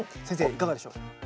先生いかがでしょう？